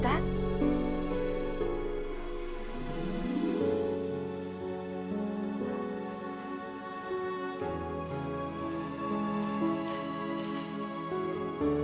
tante ngerti banget keadaanmu